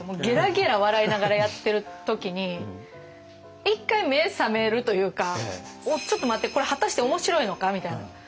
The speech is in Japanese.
ゲラゲラ笑いながらやってる時に一回目覚めるというかおっちょっと待てこれ果たして面白いのかみたいな。